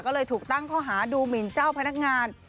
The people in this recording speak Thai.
ก็เลยถูกตั้งข้อหาดูหมินเจ้าพนักงาน